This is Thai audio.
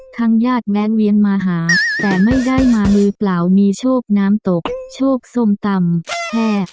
ทางญาติแวะเวียนมาหาแต่ไม่ได้มามือเปล่ามีโชคน้ำตกโชคส้มตำแค่